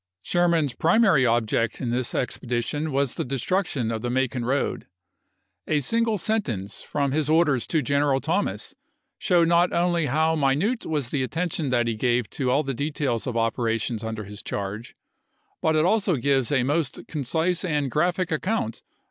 Sherman's primary object in this expedition was the destruction of the Macon road. A single sen tence from his orders to General Thomas show not only how minute was the attention that he gave to all the details of operations under his charge, but it also gives a most concise and graphic account of Aug.